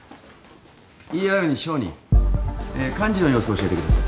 ＥＲに小児患児の様子教えてください。